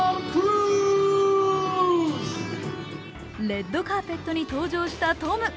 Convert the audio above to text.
レッドカーペットに登場したトム。